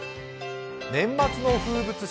年末の風物詩！